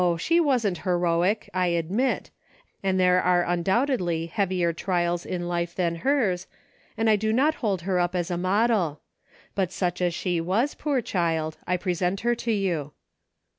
she wasn't heroic, I admit, and there are undoubtedly heavier trials in life than hers, and I do not hold her up as a model ; but such as she was, poor child, I present her to you.